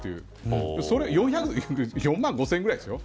それは４万５０００円ぐらいですよ。